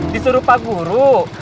disuruh pak guru